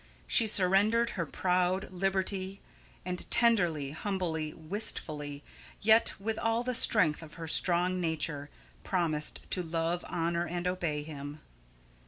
She surrendered her proud liberty, and tenderly, humbly, wistfully, yet with all the strength of her strong nature, promised to love, honour, and obey him.